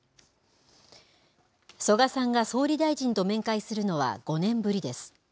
曽我さんが総理大臣と面会するのは５年ぶりです。